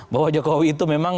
bahwa jokowi itu memang